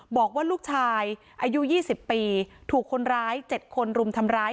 บอกว่าลูกชายอายุ๒๐ปีถูกคนร้าย๗คนรุมทำร้าย